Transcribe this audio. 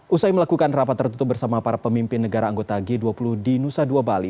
usai melakukan rapat tertutup bersama para pemimpin negara anggota g dua puluh di nusa dua bali